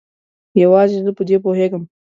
یوازې زه په دې پوهیږم